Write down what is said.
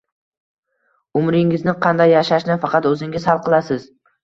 Umringizni qanday yashashni faqat o’zingiz hal qilasiz